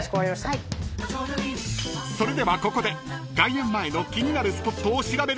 ［それではここで外苑前の気になるスポットを調べる］